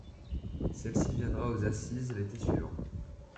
Celle-ci viendra aux Assises l'été suivant.